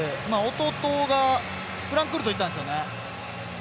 弟がフランクフルト行ったんですよね。